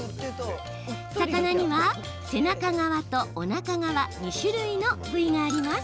魚には背中側とおなか側２種類の部位があります。